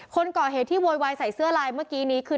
คนก่อเหตุที่โวยวายใส่เสื้อลายเมื่อกี้นี้คือ